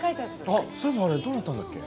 あっそういえばあれどうなったんだっけ？